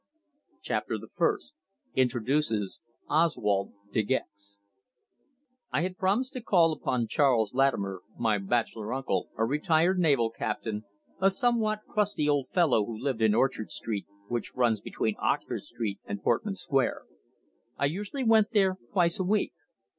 CHAPTER THE FIRST INTRODUCES OSWALD DE GEX I had promised to call upon Charles Latimer, my bachelor uncle, a retired naval captain, a somewhat crusty old fellow who lived in Orchard Street, which runs between Oxford Street and Portman Square. I usually went there twice a week.